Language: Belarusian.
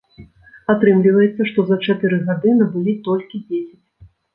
Атрымліваецца, што за чатыры гады набылі толькі дзесяць.